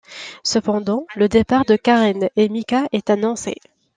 Cependant, le départ de Karen et Mika est annoncé.